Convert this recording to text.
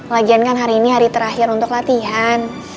lagian kan hari ini hari terakhir untuk latihan